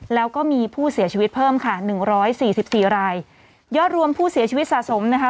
แล้วก็มีผู้เสียชีวิตเพิ่มค่ะหนึ่งร้อยสี่สิบสี่รายยอดรวมผู้เสียชีวิตสะสมนะคะ